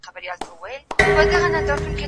زه سبزیحات نه خورم؟!